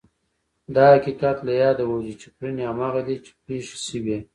دا حقیقت له یاده ووځي چې کړنې هماغه دي چې پېښې شوې.